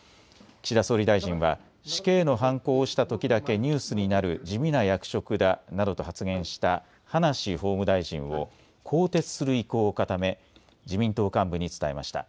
岸田総理大臣は死刑のはんこを押したときだけニュースになる地味な役職だなどと発言した葉梨法務大臣を更迭する意向を固め、自民党幹部に伝えました。